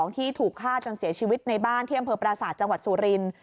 ที่ถูกฆ่าจนเสียชีวิตในบ้านที่อำเภอปราศาสตร์จังหวัดสุรินทร์